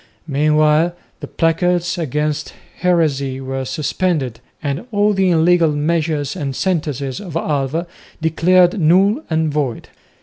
Meanwhile the placards against heresy were suspended, and all the illegal measures and sentences of Alva declared null and void.